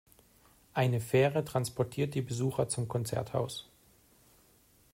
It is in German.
Eine Fähre transportiert die Besucher zum Konzerthaus.